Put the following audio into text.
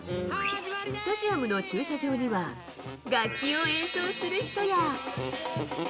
スタジアムの駐車場には、楽器を演奏する人や。